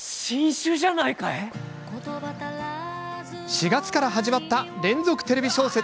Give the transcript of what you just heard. ４月から始まった連続テレビ小説